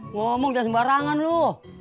ngomong jangan sembarangan lo